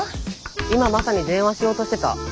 今まさに電話しようとしてた。